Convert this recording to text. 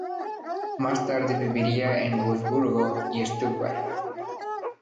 Más tarde viviría en Wurzburgo y Stuttgart.